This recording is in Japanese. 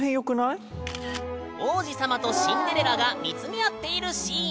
王子様とシンデレラが見つめ合っているシーン。